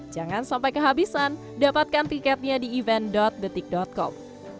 jangan sampai kehabisan dapatkan tiketnya di event detik com